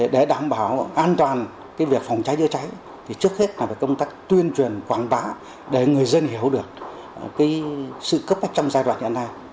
để đảm bảo an toàn việc phòng cháy chữa cháy thì trước hết là về công tác tuyên truyền quảng bá để người dân hiểu được sự cấp bách trong giai đoạn hiện nay